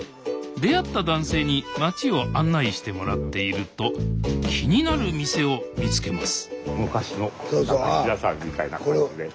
出会った男性に町を案内してもらっていると気になる店を見つけます